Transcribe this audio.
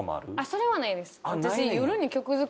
それはないです。